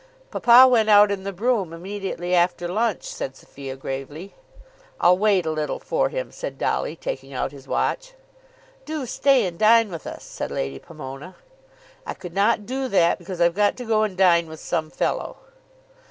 "Papa went out in the brougham immediately after lunch," said Sophia gravely. "I'll wait a little for him," said Dolly, taking out his watch. "Do stay and dine with us," said Lady Pomona. "I could not do that, because I've got to go and dine with some fellow."